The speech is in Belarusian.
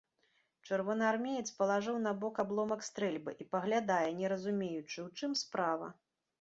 Чырвонаармеец палажыў набок абломак стрэльбы і паглядае, не разумеючы, у чым справа.